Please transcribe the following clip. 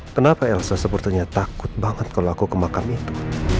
kenapa elsa sepertinya takut banget kalau aku ke makam itu